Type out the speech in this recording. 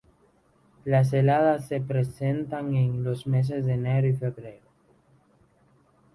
Las heladas se presentan en los meses de enero y febrero.